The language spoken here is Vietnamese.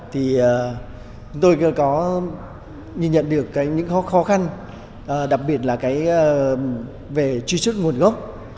thì tôi có nhìn nhận được những khó khăn đặc biệt là về truy xuất nguồn gốc